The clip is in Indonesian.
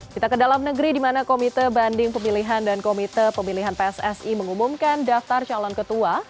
kita ke dalam negeri di mana komite banding pemilihan dan komite pemilihan pssi mengumumkan daftar calon ketua